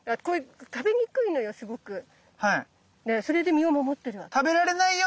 それで身を守ってるわけ。